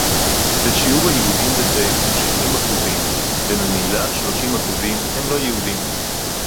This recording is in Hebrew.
ושיעור היהודים בזה הוא שבעים אחוזים וממילא שלושים אחוזים הם לא יהודים